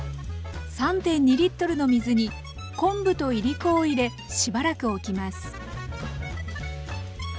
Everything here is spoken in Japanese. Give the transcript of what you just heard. ３．２の水に昆布といりこを入れしばらくおきます。